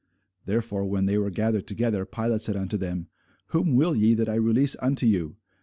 Therefore when they were gathered together, Pilate said unto them, Whom will ye that I release unto you?